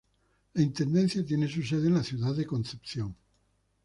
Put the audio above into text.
La intendencia tiene su sede en la ciudad de Concepción.